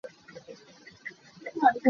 Naa hngilh cang maw?